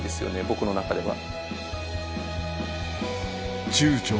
僕の中では。